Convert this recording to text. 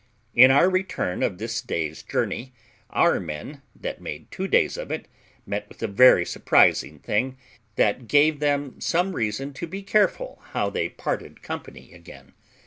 In our return of this day's journey, our men that made two days of it met with a very surprising thing, that gave them some reason to be careful how they parted company again.